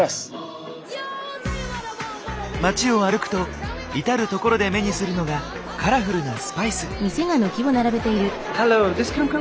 街を歩くと至る所で目にするのがカラフルなスパイス。